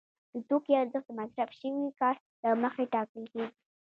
د توکي ارزښت د مصرف شوي کار له مخې ټاکل کېږي